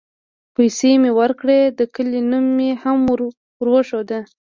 پيسې مې وركړې د كلي نوم مې هم وروښود.